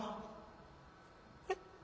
「えっ？